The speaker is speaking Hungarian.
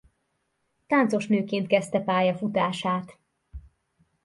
Táncosnőként kezdte pályafutását.